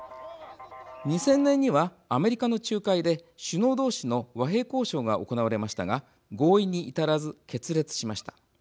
２０００年にはアメリカの仲介で首脳同士の和平交渉が行われましたが合意に至らず、決裂しました。